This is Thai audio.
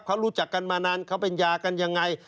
เขารู้จักกันมานานเขาเป็นยากันยังไง